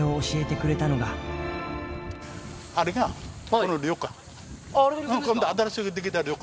あれがその旅館。